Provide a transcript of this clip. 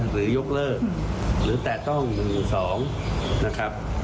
หรือยกเลิกหรือแตะต้อง๑๒นะครับ